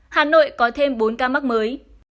hà nội có thêm bốn ca mắc mới